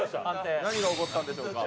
何が起こったんでしょうか。